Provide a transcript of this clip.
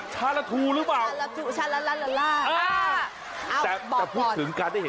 ชื่ออะไรครับ